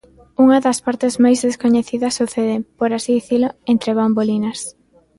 Unha das partes máis descoñecidas sucede, por así dicilo, entre bambolinas.